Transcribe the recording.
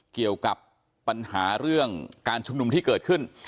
เกี่ยวกับปัญหาเรื่องการชุมนุมที่เกิดขึ้น